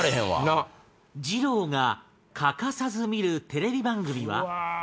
二朗が欠かさず見るテレビ番組は？